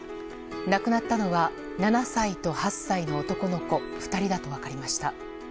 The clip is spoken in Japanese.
亡くなったのは、７歳と８歳の男の子２人だと分かりました。